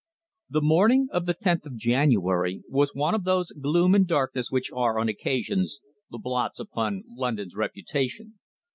The morning of the tenth of January was one of those of gloom and darkness which are, on occasions, the blots upon London's reputation.